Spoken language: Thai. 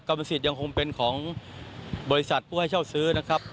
สิทธิ์ยังคงเป็นของบริษัทผู้ให้เช่าซื้อนะครับ